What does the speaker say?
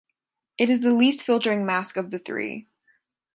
It is the least filtering mask of the three.